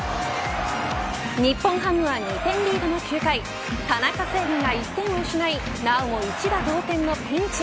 日本ハムは２点リードの９回田中正義が１点を失いなおも一打同点のピンチ。